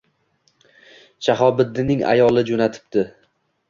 — Shahobiddinning ayoli joʼna-tibdi.